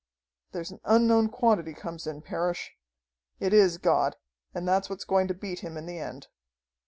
"There's an unknown quantity comes in, Parrish. It is God, and that's what's going to beat him in the end."